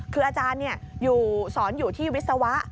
คืออาจารย์อยู่สอนอยู่ที่วิศวะ